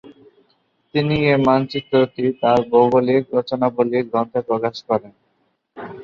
তিনি এ মানচিত্রটি তার "ভৌগোলিক রচনাবলি" গ্রন্থে প্রকাশ করেন।